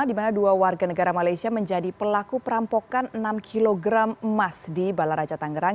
di mana dua warga negara malaysia menjadi pelaku perampokan enam kg emas di balaraja tangerang